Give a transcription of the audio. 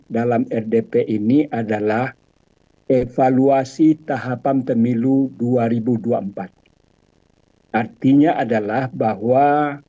dan juga akan mencapai kekuatan yang sangat besar